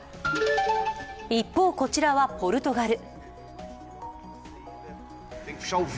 一方、こちらはポルトガル。